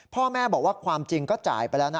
พ่อแม่บอกว่าความจริงก็จ่ายไปแล้วนะ